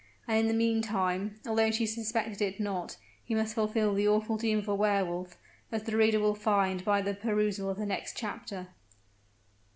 And in the meantime, although she suspected it not, he must fulfill the awful doom of a Wehr Wolf, as the reader will find by the perusal of the next chapter.